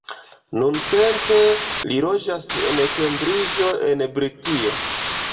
Nuntempe li loĝas en Kembriĝo en Britio.